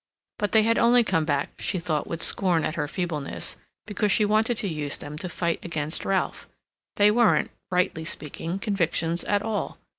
But they had only come back, she thought with scorn at her feebleness, because she wanted to use them to fight against Ralph. They weren't, rightly speaking, convictions at all.